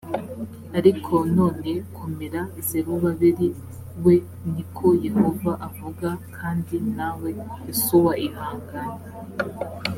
ariko none komera zerubabeli we ni ko yehova avuga kandi nawe yosuwa ihangane